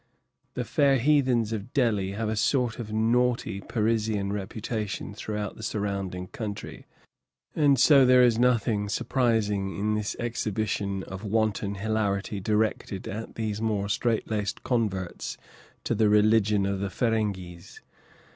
The fair heathens of Delhi have a sort of naughty, Parisian reputation throughout the surrounding country, and so there is nothing surprising in this exhibition of wanton hilarity directed at these more strait laced converts to the religion of the Ferenghis.